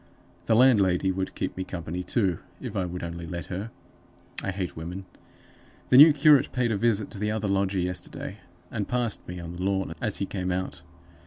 The landlady would keep me company, too, if I would only let her. I hate women. The new curate paid a visit to the other lodger yesterday, and passed me on the lawn as he came out.